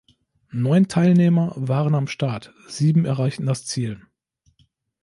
Neun Teilnehmer waren am Start, sieben erreichten das Ziel.